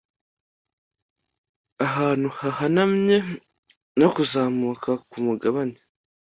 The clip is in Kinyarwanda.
Ahantu hahanamye no kuzamuka kumugabane